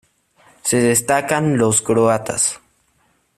Se destacan los croatas.